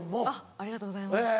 ありがとうございます。